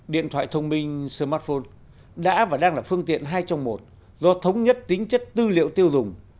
điện thoại thông minh smartphone đã và đang là phương tiện hai trong một do thống nhất tính chất tư liệu tiêu dùng